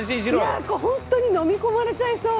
いや本当に飲み込まれちゃいそう。